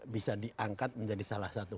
bisa diangkat menjadi salah satu